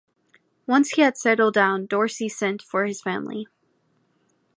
Once he had settled down, Dorsey sent for his family.